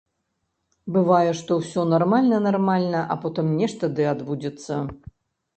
Бывае, што ўсё нармальна-нармальна, а потым нешта ды адбудзецца.